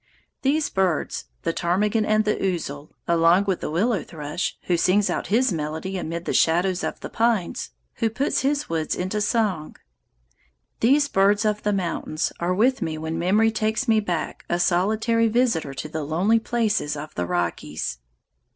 These birds, the ptarmigan and the ouzel, along with the willow thrush, who sings out his melody amid the shadows of the pines, who puts his woods into song, these birds of the mountains are with me when memory takes me back a solitary visitor to the lonely places of the Rockies.